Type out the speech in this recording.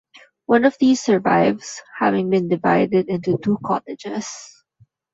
One of these survives, having been divided into two cottages.